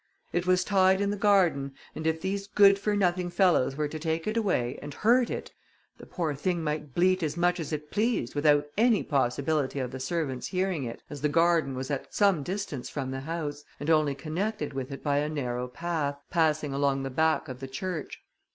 It was tied in the garden, and if these good for nothing fellows were to take it away, and hurt it, the poor thing might bleat as much as it pleased, without any possibility of the servant's hearing it, as the garden was at some distance from the house, and only connected with it by a narrow path, passing along the back of the church.